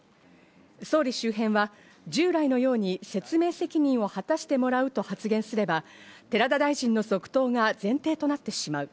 総理周辺は従来のように説明責任を果たしてもらうと発言すれば寺田大臣の続投が前提となってしまう。